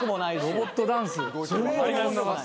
ロボットダンス。